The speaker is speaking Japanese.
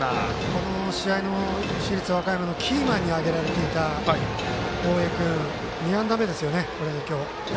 この試合の市立和歌山のキーマンに挙げられていた大江君、２安打目ですよね、今日。